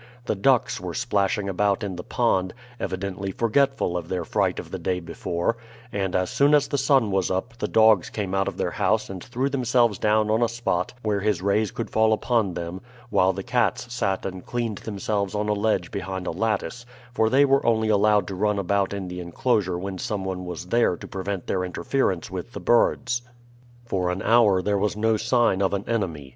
The ducks were splashing about in the pond, evidently forgetful of their fright of the day before; and as soon as the sun was up the dogs came out of their house and threw themselves down on a spot where his rays could fall upon them, while the cats sat and cleaned themselves on a ledge behind a lattice, for they were only allowed to run about in the inclosure when some one was there to prevent their interference with birds. For an hour there was no sign of an enemy.